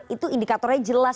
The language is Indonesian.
itu indikatornya jelas